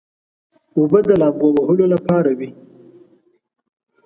اوبه د لامبو وهلو لپاره وي.